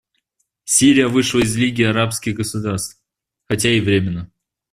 Сирия вышла из Лиги арабских государств, хотя и временно.